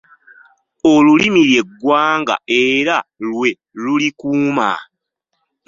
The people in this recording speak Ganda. Olulimi lye ggwanga era lwe lulikuuma.